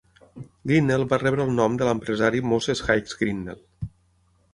Grinnell va rebre el nom de l'empresari Moses Hicks Grinnell.